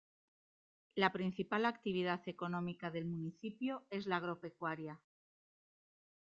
La principal actividad económica del municipio es la agropecuaria.